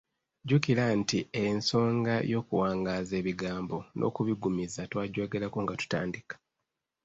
Jjukira nti ensonga y’okuwangaaza ebigambo n’okubiggumiza twagyogerako nga tutandika.